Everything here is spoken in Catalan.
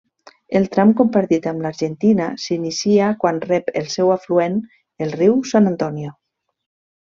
El tram compartit amb l'Argentina s'inicia quan rep el seu afluent, el riu San Antonio.